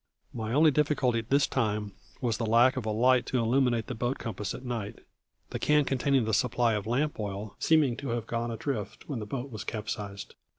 My only difficulty at this time was the lack of a light to illuminate the boat compass at night, the can containing the supply of lamp oil seeming to have gone adrift when the boat was capsized.